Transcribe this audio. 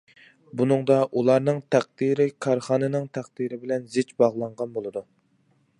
بۇنىڭدا ئۇلارنىڭ تەقدىرى كارخانىنىڭ تەقدىرى بىلەن زىچ باغلانغان بولىدۇ.